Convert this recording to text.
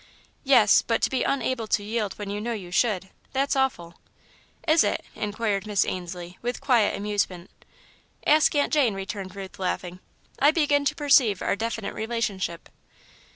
"Yes, but to be unable to yield when you know you should that's awful." "Is it?" inquired Miss Ainslie, with quiet amusement. "Ask Aunt Jane," returned Ruth, laughing. "I begin to perceive our definite relationship."